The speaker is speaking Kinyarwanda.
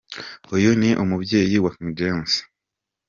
Uyu ni umubyeyi wa King James.